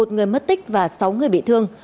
một người mất tích và sáu người bị thương